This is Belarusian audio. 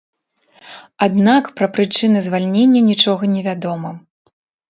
Аднак, пра прычыны звальнення нічога невядома.